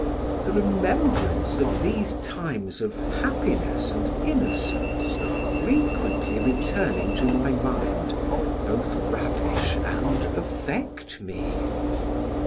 The remembrance of these times of happiness and innocence frequently returning to my mind, both ravish and affect me.